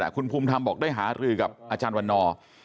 คุณภูมิธรรมบอกได้หารือกับอาจารย์วันนอร์